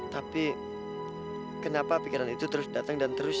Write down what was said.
tapi kenapa pikiran itu terus dateng dan terus ya